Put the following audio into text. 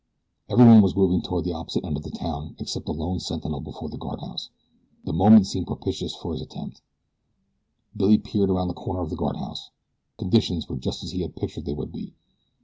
Everyone was moving toward the opposite end of the town except the lone sentinel before the guardhouse. The moment seemed propitious for his attempt. Billy peered around the corner of the guardhouse. Conditions were just as he had pictured they would be.